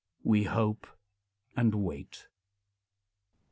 We hope and wait.